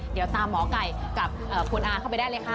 เดี๋ยวตามหมอไก่กับคุณอาเข้าไปได้เลยค่ะ